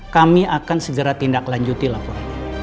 kami akan segera tindaklanjuti laporan